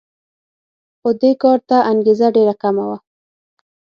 خو دې کار ته انګېزه ډېره کمه وه